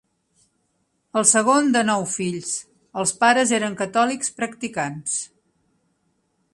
El segon de nou fills, els pares eren catòlics practicants.